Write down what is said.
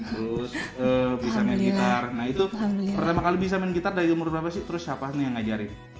nah itu pertama kali bisa main gitar dari umur berapa sih terus siapa yang ngajarin